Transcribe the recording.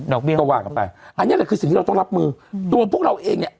เบี้ยก็ว่ากันไปอันนี้แหละคือสิ่งที่เราต้องรับมืออืมตัวพวกเราเองเนี้ย